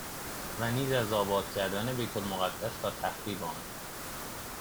و نیز از آباد کردن بیت المقدس تا تخریب آن